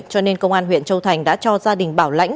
cho nên công an huyện châu thành đã cho gia đình bảo lãnh